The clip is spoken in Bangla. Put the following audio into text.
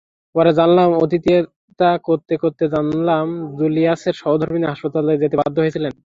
পরে জানলাম, আতিথেয়তা করতে করতে জানলাম জুলিয়াসের সহধর্মিণী হাসপাতালে যেতে বাধ্য হয়েছিলেন।